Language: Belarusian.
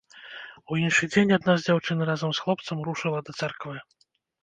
У іншы дзень адна з дзяўчын разам з хлопцам рушыла да царквы.